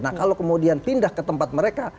nah kalau kemudian pindah ke tempat mereka